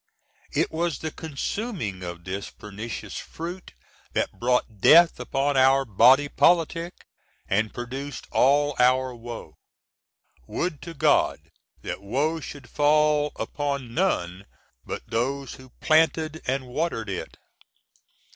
It was the consuming of this pernicious fruit that brought death upon our "Body Politic" and produced all our woe. Would to God that woe should fall upon none but those who "planted & watered" it!